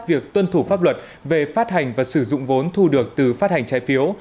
việc tuân thủ pháp luật về phát hành và sử dụng vốn thu được từ phát hành trái phiếu